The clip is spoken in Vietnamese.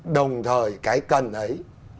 đồng thời cái cần ấy